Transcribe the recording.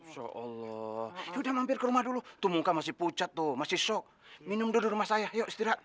seolah sudah mampir ke rumah dulu tuh muka masih pucat tuh masih shock minum dulu rumah saya yuk istirahat